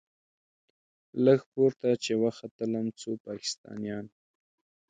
لږ پورته چې وختلم څو پاکستانيان.